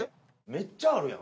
めっちゃあるやん！